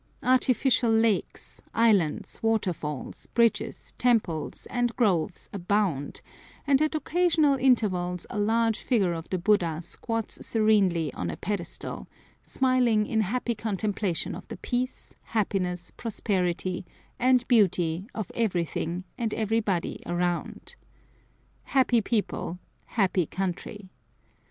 Artificial lakes, islands, waterfalls, bridges, temples, and groves abound; and at occasional intervals a large figure of the Buddha squats serenely on a pedestal, smiling in happy contemplation of the peace, happiness, prosperity, and beauty of everything and everybody around. Happy people! happy country.